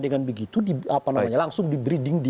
dengan begitu langsung di breeding di